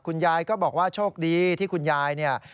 คุณยายก็บอกว่าโชคดีที่คุณยายเนี่ย